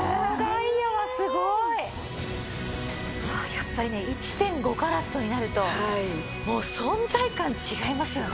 やっぱりね１．５カラットになるともう存在感違いますよね。